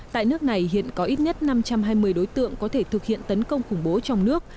tại nước này hiện có ít nhất năm trăm hai mươi đối tượng có thể thực hiện tấn công khủng bố trong nước